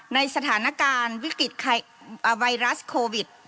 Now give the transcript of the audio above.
ในสถานการณ์วิกฤตไวรัสโควิด